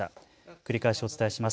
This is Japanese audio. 繰り返しお伝えします。